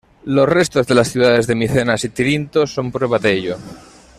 Los restos de las ciudades de Micenas y Tirinto son prueba de ello.